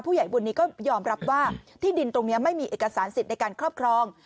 ผู้ใหญ่บุญนี้ก็ยอมรับว่าที่ดินตรงนี้ไม่มีเอกสารสิทธิ์ในการครอบครอง